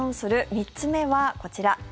３つ目はこちら。